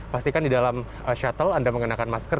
pastikan di dalam shuttle anda mengenakan masker